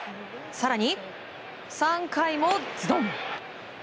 更に３回もズドン。